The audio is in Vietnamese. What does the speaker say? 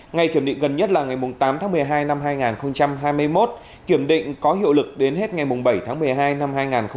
ngày kiểm định gần nhất là ngày tám tháng một mươi hai năm hai nghìn hai mươi một kiểm định có hiệu lực đến hết ngày bảy tháng một mươi hai năm hai nghìn hai mươi